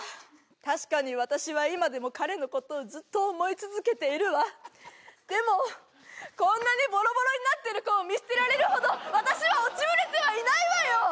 確かに私は今でも彼のことをずっと思い続けているわでもこんなにボロボロになってる子を見捨てられるほど私は落ちぶれてはいないわよ！